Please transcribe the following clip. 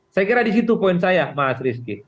saya kira di situ poin saya mas rizky